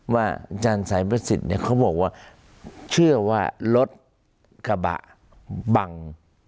อาจารย์สายประสิทธิ์เขาบอกว่าเชื่อว่ารถกระบะบัง